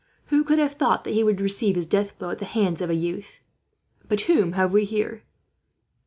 Who could have thought that he would receive his death blow at the hands of a youth? "But whom have we here?